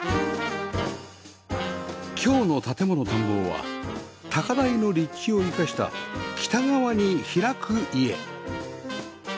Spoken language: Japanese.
今日の『建もの探訪』は高台の立地を生かした北側に開く家